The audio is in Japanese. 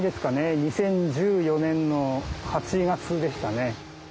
２０１４年の８月でしたね。